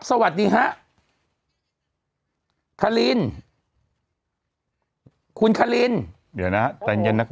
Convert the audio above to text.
สวัสดีฮะคลินคุณคลินเดี๋ยวนะครับใต้เย็นนะครับ